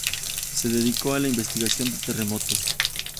Se dedica a la investigación de terremotos.